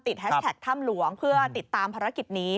แฮชแท็กถ้ำหลวงเพื่อติดตามภารกิจนี้